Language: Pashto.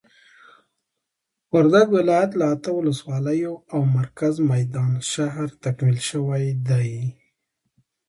وردګ ولايت له اته ولسوالیو او مرکز میدان شهر تکمیل شوي دي.